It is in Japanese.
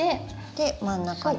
で真ん中に？